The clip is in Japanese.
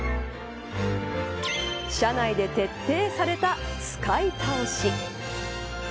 社内で徹底された使い倒し。